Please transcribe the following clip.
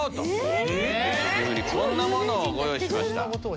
⁉こんなものをご用意しました。